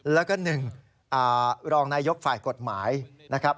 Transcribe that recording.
แล้วก็๑รองนายกฝ่ายกฎหมายนะครับ